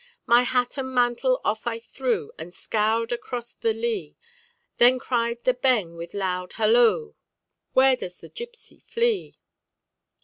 "My hat and mantle off I threw, And scoured across the lea; Then cried the beng with loud halloo, 'Where does the gipsy flee?'"